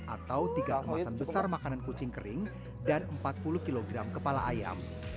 atau tiga kemasan besar makanan kucing kering dan empat puluh kg kepala ayam